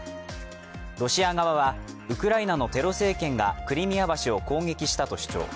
ロシア側はウクライナのテロ政権がクリミア橋を攻撃したと主張。